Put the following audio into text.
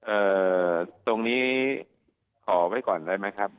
ตรงนี้ขอไว้ก่อนได้ไหมครับ